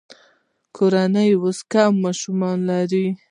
کورنۍ اوس کم ماشومان لري.